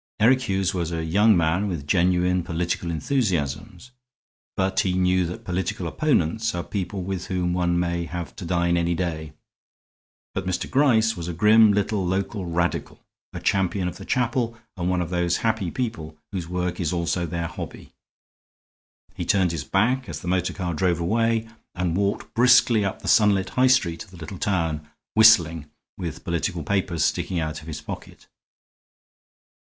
Eric Hughes was a young man with genuine political enthusiasms, but he knew that political opponents are people with whom one may have to dine any day. But Mr. Gryce was a grim little local Radical, a champion of the chapel, and one of those happy people whose work is also their hobby. He turned his back as the motor car drove away, and walked briskly up the sunlit high street of the little town, whistling, with political papers sticking out of his pocket.